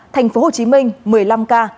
tp hcm một mươi năm ca